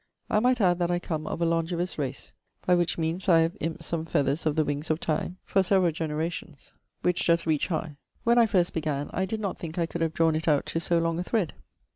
I might add that I come of a longaevous race, by which meanes I have imped some feathers of the wings of time, for severall generations; which does reach high. When I first began, I did not thinke I could have drawne it out to so long a thread.